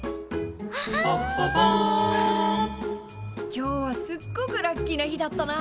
今日はすっごくラッキーな日だったな。